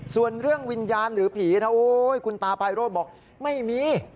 ส่วนเรื่องวิญญาณหรือผีนะโอ้ยคุณตาไพโรธบอกไม่มี